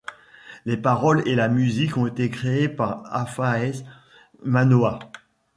Les paroles et la musique ont été créées par Afaese Manoa.